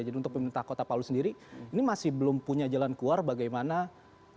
jadi untuk pemerintah kota palu sendiri ini masih belum punya jalan keluar bagaimana nantinya